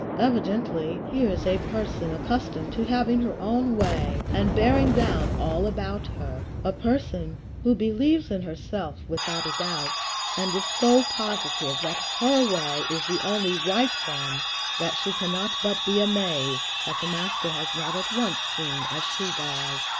Evidently, here is a person accustomed to having her own way and bearing down all about her; a person who believes in herself without a doubt, and is so positive that her way is the only right one that she cannot but be amazed that the Master has not at once seen as she does.